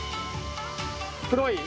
黒い